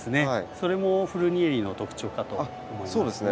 それもフルニエリの特徴かと思いますね。